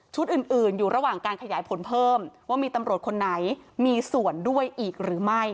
อื่นอยู่ระหว่างการขยายผลเพิ่มว่ามีตำรวจคนไหนมีส่วนด้วยอีกหรือไม่